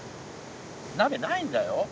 なべないんだよ？